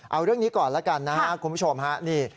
เอาเรื่องนี้ก่อนแล้วกันนะครับคุณผู้ชมฮะนี่